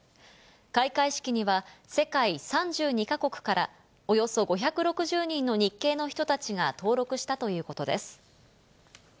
開会式には、世界３２か国からおよそ５６０人の日系の人たちが登録したということです。